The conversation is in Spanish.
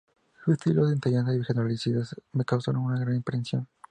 Su estilo de enseñanza y generosidad me causaron una gran impresión.